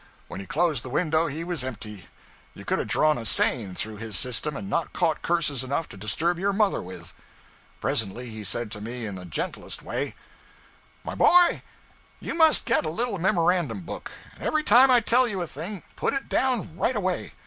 When he closed the window he was empty. You could have drawn a seine through his system and not caught curses enough to disturb your mother with. Presently he said to me in the gentlest way 'My boy, you must get a little memorandum book, and every time I tell you a thing, put it down right away.